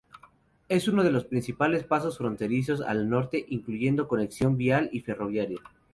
Es uno de los principales pasos fronterizos al norte, incluyendo conexión vial y ferroviaria.